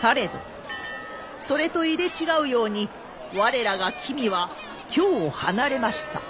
されどそれと入れ違うように我らが君は京を離れました。